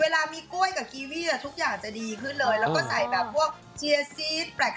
เวลามีก๋วยกับกีวีอะทุกอย่างจะดีขึงเลยแล้วก็ใส่แบบพวก